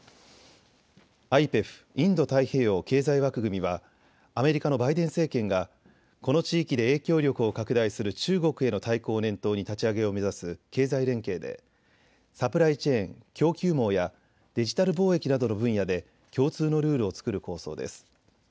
ＩＰＥＦ・インド太平洋経済枠組みはアメリカのバイデン政権がこの地域で影響力を拡大する中国への対抗を念頭に立ち上げを目指す経済連携でサプライチェーン・供給網やデジタル貿易などの分野で共通のルールを作る構想です。